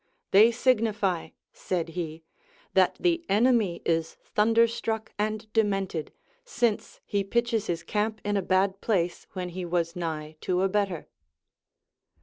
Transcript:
They signify, said he, that the enemy is thunderstruck and demented, since he pitches his camp in a bad place, Avhen he w^as nigh to a better.